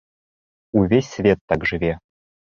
Увесь свет так жыве!